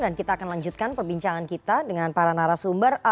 dan kita akan lanjutkan perbincangan kita dengan para narasumber